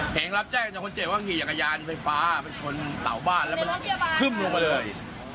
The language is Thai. เห็นรับแจ้งจากคนเจ็บว่าขี่จักรยานไฟฟ้ามันชนเสาบ้านแล้วมันคึ่มลงมาเลย